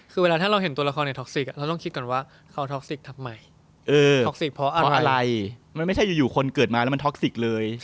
คือถ้าเราเห็นรายการท็อคซิก